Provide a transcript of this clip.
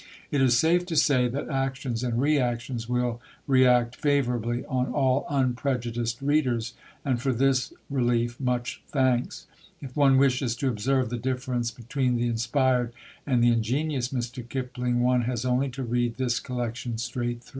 It is safe to say that Actions and Reactions will react favourably on all unprejudiced readers; and for this relief much thanks. If one wishes to observe the difference between the inspired and the ingenious Mr. Kipling, one has only to read this collection straight through.